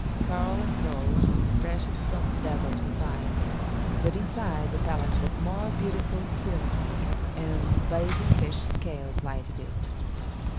Coral and pearls and precious stones dazzled his eyes; but inside, the palace was more beautiful still, and blazing fish scales lighted it.